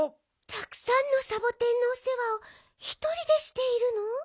たくさんのサボテンのおせわをひとりでしているの？